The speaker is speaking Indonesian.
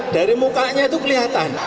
dari mukanya itu kelihatan